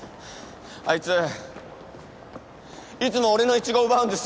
あいついつも俺のイチゴ奪うんですよ。